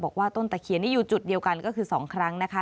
ต้นตะเคียนนี่อยู่จุดเดียวกันก็คือ๒ครั้งนะคะ